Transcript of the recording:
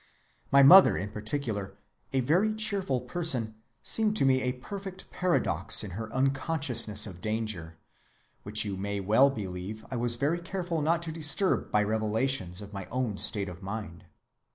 My mother in particular, a very cheerful person, seemed to me a perfect paradox in her unconsciousness of danger, which you may well believe I was very careful not to disturb by revelations of my own state of mind.